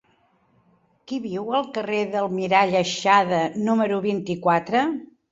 Qui viu al carrer de l'Almirall Aixada número vint-i-quatre?